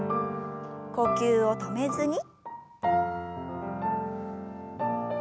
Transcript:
呼吸を止めずに。